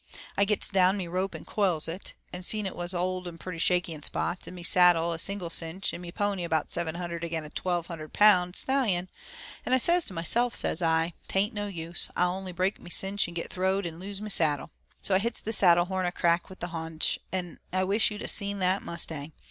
I gits down me rope and coils it, and seen it was old and pretty shaky in spots, and me saddle a single cinch, an' me pony about 700 again a 1,200 lbs. stallion, an' I sez to meself, sez I: 'Tain't no use, I'll only break me cinch and git throwed an' lose me saddle.' So I hits the saddle horn a crack with the hondu, and I wish't you'd a seen that mustang.